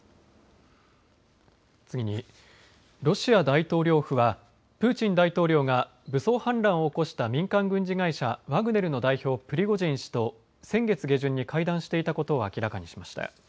次に、ロシア大統領府はプーチン大統領が武装反乱を起こした民間軍事会社ワグネルの代表、プリゴジン氏と先月下旬に会談していたことを明らかにしました。